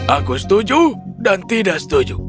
aku setuju dan tidak setuju